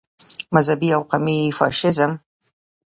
مذهبي او قومي فاشیزم.